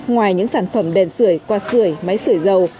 ngoài những sản phẩm đèn sửa quạt sửa máy sửa dầu